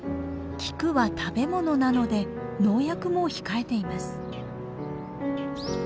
菊は食べ物なので農薬も控えています。